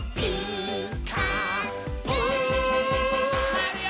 まわるよ。